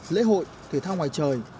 lễ hội thể thao ngoài trời